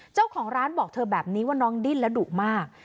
เจ้าของร้านบอกเธอแบบนี้ว่าน้องดิ้นและดุมาก